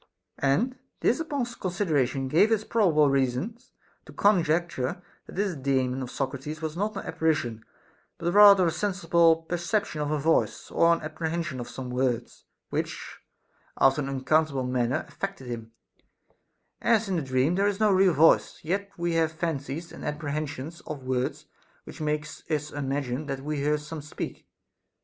And this upon consideration gave us probable reasons to conjecture that this Daemon of Socrates was not an apparition, but rather a sensible perception of a voice, or an apprehension of some words, which after an unac countable manner affected him ; as in a dream there is no real voice, yet we have fancies and apprehensions of words which make us imagine that we hear some speak.